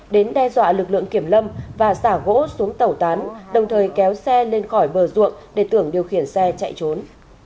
đến đe dọa lực lượng kiểm lâm và xả gỗ xuống tẩu tán đồng thời kéo xe lên khỏi bờ ruộng để tưởng điều khiển xe chạy trốn